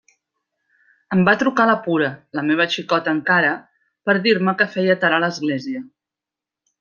Em va trucar la Pura, la meva xicota encara, per dir-me que feia tard a l'església.